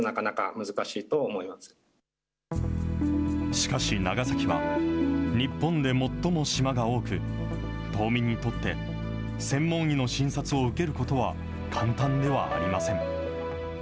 しかし長崎は、日本で最も島が多く、島民にとって専門医の診察を受けることは簡単ではありません。